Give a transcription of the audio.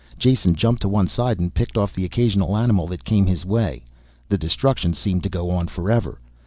Jason jumped to one side and picked off the occasional animal that came his way. The destruction seemed to go on forever.